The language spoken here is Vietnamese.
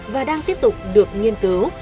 và đang tiếp tục được nghiên cứu